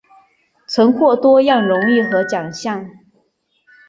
曾获多样荣誉和奖项。